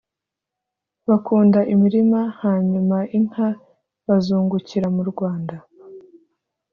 bakunda imirima, hanyuma inka bazungukira mu rwanda?